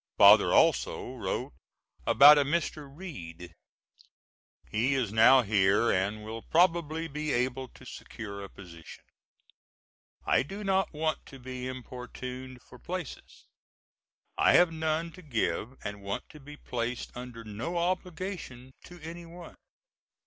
Father also wrote about a Mr. Reed. He is now here and will probably be able to secure a position. I do not want to be importuned for places. I have none to give and want to be placed under no obligation to any one.